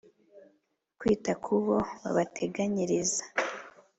kwita ku bo babateganyiriza